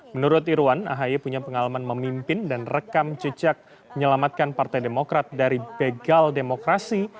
menurut irwan ahy punya pengalaman memimpin dan rekam jejak menyelamatkan partai demokrat dari begal demokrasi